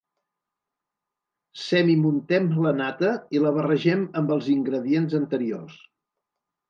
Semi-muntem la nata i la barregem amb els ingredients anteriors.